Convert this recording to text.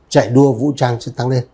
chạy đua vũ trang sẽ tăng lên